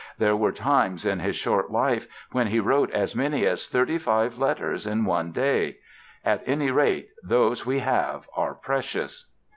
There were times in his short life when he wrote as many as thirty five letters in one day! At any rate, those we have are precious.